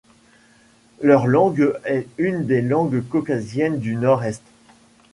Leur langue est une des langues caucasiennes du nord-est.